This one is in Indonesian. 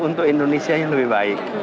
untuk indonesia yang lebih baik